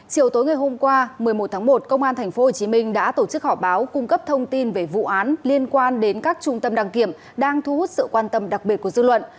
công an quận thành phố hồ chí minh đã tổ chức họ báo cung cấp thông tin về vụ án liên quan đến các trung tâm đăng kiểm đang thu hút sự quan tâm đặc biệt của dư luận